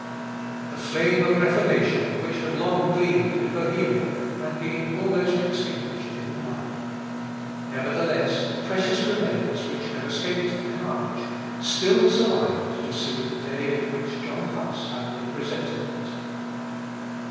The flame of reformation, which had long gleamed in Bohemia, had been almost extinguished in blood. Nevertheless, precious remains which had escaped the carnage, still survived to see the day of which John Huss had a presentiment.